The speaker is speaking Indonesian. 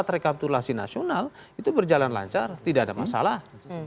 dan kemarin pada saat rapat rekapitulasi nasional itu berjalan lancar tidak ada masalah